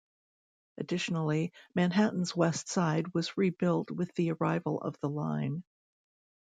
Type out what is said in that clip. Additionally, Manhattan's West Side was rebuilt with the arrival of the line.